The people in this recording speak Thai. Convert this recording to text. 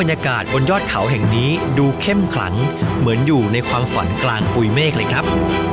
อยู่ในความฝันกลางปุ่ยเมฆเลยครับ